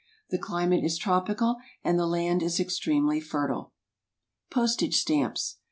The climate is tropical and the land is extremely fertile. =Postage Stamps.